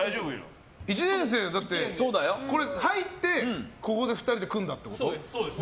１年生で、入ってここで２人で組んだってこと？